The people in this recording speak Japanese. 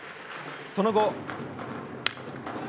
その後。